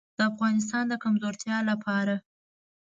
د افغانستان د کمزورتیا لپاره.